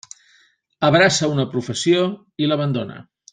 Abraça una professió, i l'abandona.